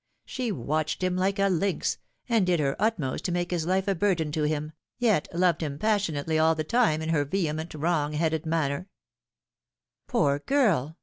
She watched him like a lynx, and did her utmost to make his life a burden to him, yet loved him passionately all the time in her vehement, wrong headed manner." Not Proven. 281 " Poor girl